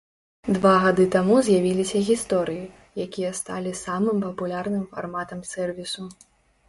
Два гады таму з'явіліся гісторыі, якія сталі самым папулярным фарматам сэрвісу.